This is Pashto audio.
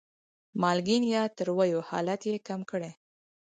مالګین یا تریو حالت یې کم کړي.